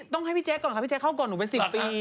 ต้องให้พี่แจ๊คก่อนค่ะพี่แจเข้าก่อนหนูเป็น๑๐ปี